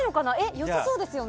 良さそうですよね。